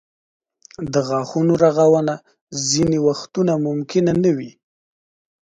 د غاښونو رغونه ځینې وختونه ممکنه نه وي.